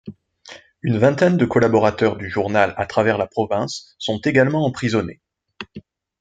Une vingtaine de collaborateurs du journal à travers la province sont également emprisonnés.